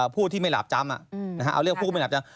ผู้ที่ไม่หลาบจำเอาเรียกผู้ไม่หลาบจำ